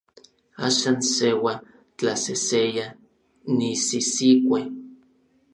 Axan seua, tlaseseya, nisisikue.